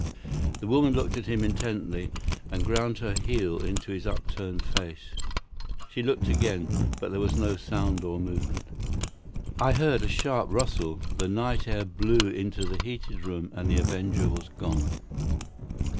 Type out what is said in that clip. The woman looked at him intently and ground her heel into his upturned face. She looked again, but there was no sound or movement. I heard a sharp rustle, the night air blew into the heated room, and the avenger was gone.